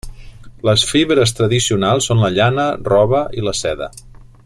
Les fibres tradicionals són la llana, roba i la seda.